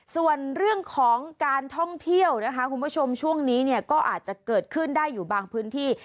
ส่วนเรื่องของการท่องเที่ยวนะคะคุณผู้ชมช่วงนี้เนี่ยก็อาจจะเกิดขึ้นได้อยู่บางพื้นที่